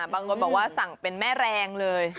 บางคนบอกว่าสั่งเป็นแม่แรงเลย